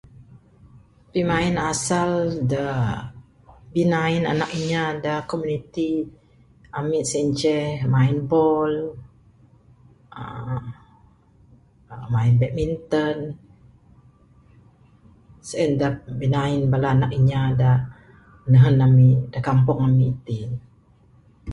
Pimain asal dek.., pimain nak inya de komuniti, emik sien ce,.. main bol..[uhh], main badminton. Sien da binain bala nak inya da nehen emik, de kampung emik tik.